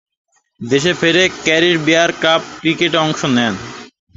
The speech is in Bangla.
দেশে ফিরে ক্যারিব বিয়ার কাপ ক্রিকেটে অংশ নেন।